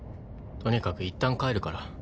とにかくいったん帰るから。